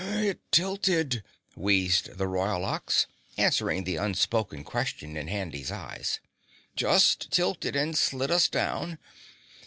"It tilted," wheezed the Royal Ox, answering the unspoken question in Handy's eyes, "just tilted and slid us down.